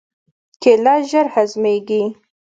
کېله ژر هضمېږي.